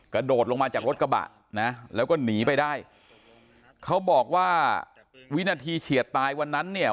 กระโดดลงมาจากรถกระบะนะแล้วก็หนีไปได้เขาบอกว่าวินาทีเฉียดตายวันนั้นเนี่ย